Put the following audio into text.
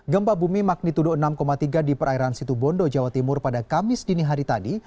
gempa bumi magnitudo enam tiga di perairan situbondo jawa timur pada kamis dini hari tadi